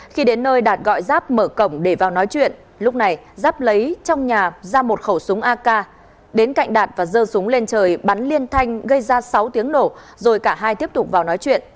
khi đến nơi đạt gọi giáp mở cổng để vào nói chuyện lúc này giáp lấy trong nhà ra một khẩu súng ak đến cạnh đạt và dơ súng lên trời bắn liên thanh gây ra sáu tiếng nổ rồi cả hai tiếp tục vào nói chuyện